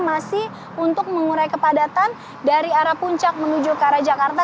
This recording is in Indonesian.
masih untuk mengurai kepadatan dari arah puncak menuju ke arah jakarta